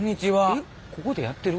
えっここでやってる？